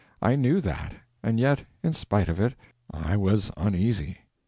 I knew that, and yet in spite of it I was uneasy.